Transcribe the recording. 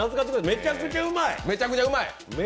めちゃくちゃうまい。